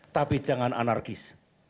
tapi jangan anarkis